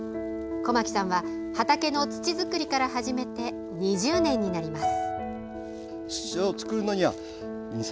小牧さんは、畑の土作りから始めて２０年になります。